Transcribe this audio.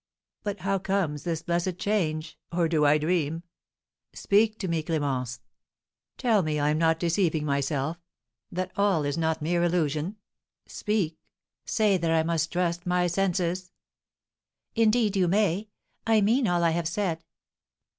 "But how comes this blessed change? Or do I dream? Speak to me, Clémence! Tell me I am not deceiving myself, that all is not mere illusion! Speak! Say that I may trust my senses!" "Indeed you may; I mean all I have said."